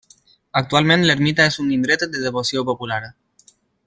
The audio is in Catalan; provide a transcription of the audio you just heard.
Actualment l'ermita és un indret de devoció popular.